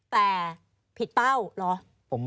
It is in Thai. แต่ผิดเป้าเหรอ